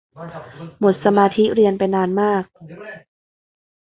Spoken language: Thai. หมดสมาธิเรียนไปนานมาก